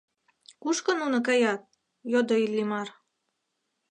— Кушко нуно каят? — йодо Иллимар.